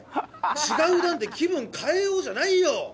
違う段で気分変えようじゃないよ